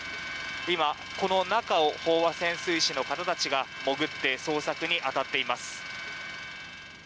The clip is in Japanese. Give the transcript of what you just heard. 今、この中を飽和潜水士の方たちが潜って捜索に当たっています。